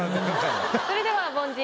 それでは凡人